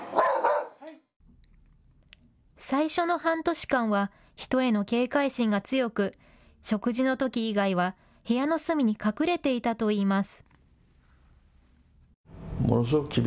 最初の半年間は人への警戒心が強く、食事のとき以外は部屋の隅に隠れていたといいます。